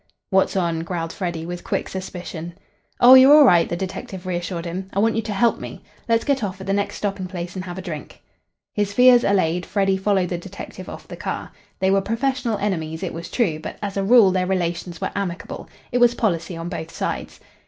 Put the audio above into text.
"What's on?" growled Freddy, with quick suspicion. "Oh, you're all right," the detective reassured him. "I want you to help me. Let's get off at the next stopping place and have a drink." His fears allayed, Freddy followed the detective off the car. They were professional enemies, it was true, but as a rule their relations were amicable. It was policy on both sides.